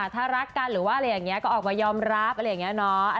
ถ้ารักกันหรือว่าอะไรอย่างนี้ก็ออกมายอมรับอะไรอย่างนี้เนาะ